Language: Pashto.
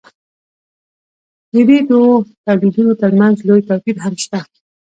د دې دوو تولیدونو ترمنځ لوی توپیر هم شته.